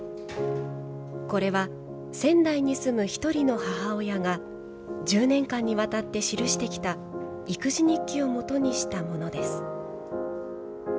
これは、仙台に住む１人の母親が、１０年間にわたって記してきた、育児日記をもとにしたものです。